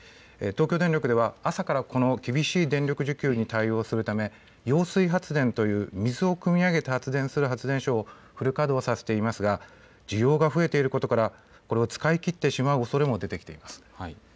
東京電力では朝からこの厳しい需給に対応するため揚水発電という水をくみ上げて発電する発電所をフル稼働させてきましたが需要が増えていることからこれを使い切ってしまうおそれもあります。